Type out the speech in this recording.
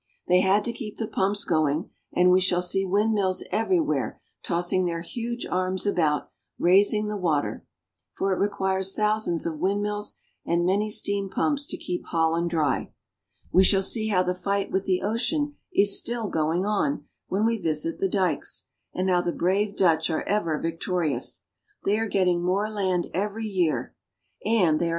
They had to keep the pumps going, and we shall see windmills everywhere tossing their huge arms about, raising the water ; for it requires thousands of windmills and many steam pumps to keep Holland dry. We shall see how the fight with the ocean is still going on when we visit the dikes, and how the brave Dutch are ever victori ous. They are getting more land every year, and they are 136 THE NETHERLANDS.